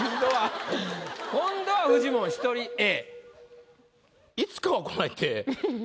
今度はフジモン一人Ａ。